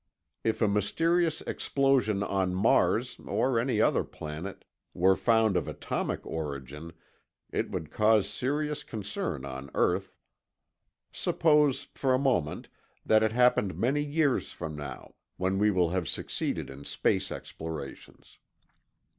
If a mysterious explosion on Mars, or any other planet, were found of atomic origin, it would cause serious concern on earth. Suppose for a moment that it happened many years from now, when we will have succeeded in space explorations.